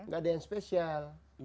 tidak ada yang spesial